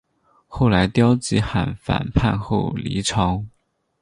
后来刁吉罕反叛后黎朝。